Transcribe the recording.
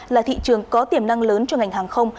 là thị trường có tiềm năng lớn cho ngành hàng không